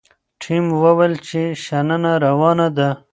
ټیم وویل چې شننه روانه ده.